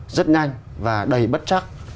rất nhanh và đầy bất chắc